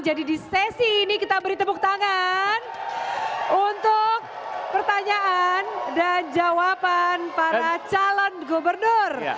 jadi di sesi ini kita beri tepuk tangan untuk pertanyaan dan jawaban para calon gubernur